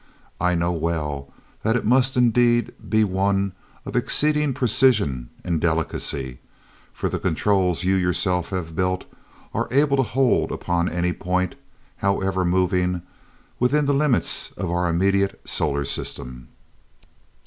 I know well that it must indeed be one of exceeding precision and delicacy, for the controls you yourself have built are able to hold upon any point, however moving, within the limits of our immediate solar system."